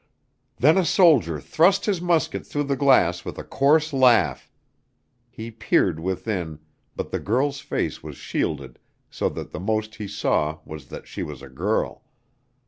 Then a soldier thrust his musket through the glass with a coarse laugh. He peered within, but the girl's face was shielded so that the most he saw was that she was a girl.